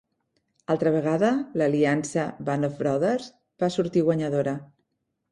Altra vegada, l'aliança Band of Brothers va sortir guanyadora.